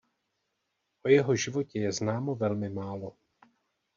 O jeho životě je známo velmi málo.